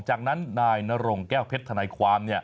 จากนั้นนายนรงแก้วเพชรธนายความ